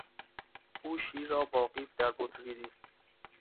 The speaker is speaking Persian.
او شیر را با قیف در بطری ریخت.